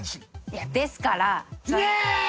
いやですから姫！